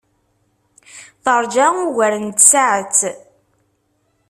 Teṛja ugar n tsaɛet.